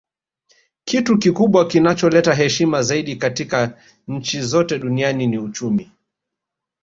Kitu kikubwa kinacholeta heshima zaidi katika nchi zote duniani ni uchumi